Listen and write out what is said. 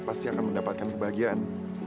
pasti akan mendapatkan kebahagiaan